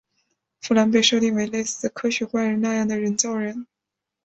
芙兰被设定为类似科学怪人那样的人造人。